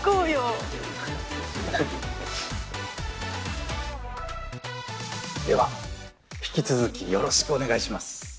フフ。では引き続きよろしくお願いします。